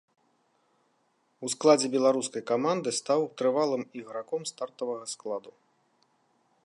У складзе беларускай каманды стаў трывалым іграком стартавага складу.